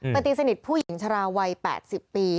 เป็นตีสนิทผู้หญิงชะลาวัย๘๐ปี